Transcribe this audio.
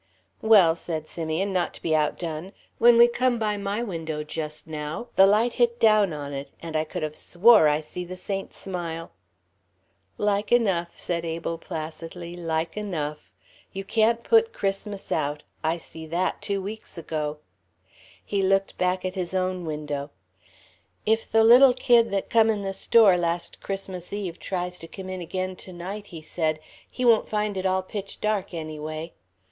"Well," said Simeon, not to be outdone, "when we come by my window just now, the light hit down on it and I could of swore I see the saint smile." "Like enough," said Abel, placidly, "like enough. You can't put Christmas out. I see that two weeks ago." He looked back at his own window. "If the little kid that come in the store last Christmas Eve tries to come in again to night," he said, "he won't find it all pitch dark, anyway.